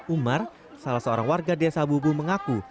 umar salah seorang warga desa bubu mengaku